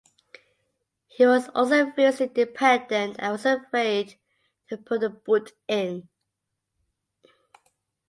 He was also fiercely independent and wasn’t afraid to put the boot in.